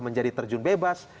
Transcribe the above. menjadi terjun bebas